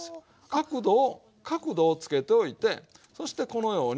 角度を角度をつけておいてそしてこのように。